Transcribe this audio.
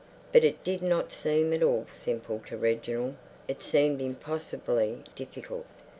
But it did not seem at all simple to Reginald. It seemed impossibly difficult.